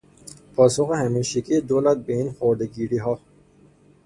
پاسخ همیشگی دولت به این خرده گیریها